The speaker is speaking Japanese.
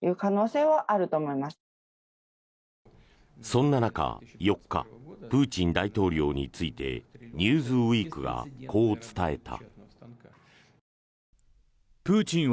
そんな中、４日プーチン大統領について「ニューズウィーク」がこう伝えた。